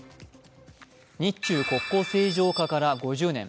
日中国交正常化から５０年。